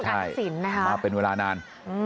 ใช่มาเป็นเวลานาน